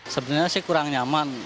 sebenarnya sih kurang nyaman